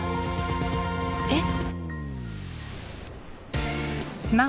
えっ？